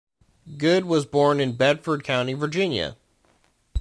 Goode was born in Bedford County, Virginia.